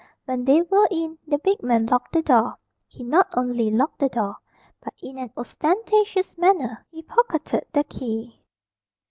When they were in, the big man locked the door he not only locked the door, but in an ostentatious manner he pocketed the key.